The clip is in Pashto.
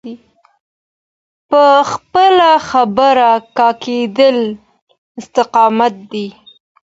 په خپله خبره کلکېدل استقامت دی.